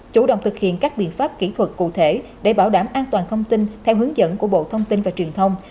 chủ động thực hiện các biện pháp kỹ thuật cụ thể để bảo đảm an toàn thông tin theo hướng dẫn của bộ thông tin và truyền thông